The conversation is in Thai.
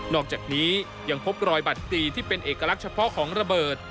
อกจากนี้ยังพบรอยบัตรตีที่เป็นเอกลักษณ์เฉพาะของระเบิด